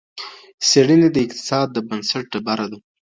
څېړني د اقتصاد د بنسټ ډبره ده.